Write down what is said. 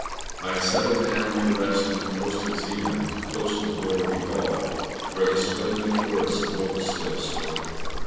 I settled down to rest on the coast of Zealand close to Borreby Hall where the splendid forest of oaks still stood.